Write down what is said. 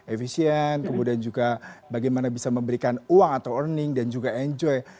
efisien kemudian juga bagaimana bisa memberikan uang atau earning dan juga enjoy